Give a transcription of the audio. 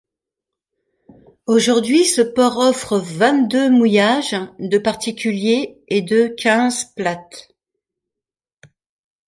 Aujourd'hui, ce port offre vingt-deux mouillages de particuliers et de quinze Plates.